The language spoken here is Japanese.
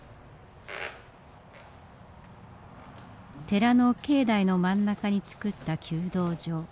寺の境内の真ん中につくった弓道場。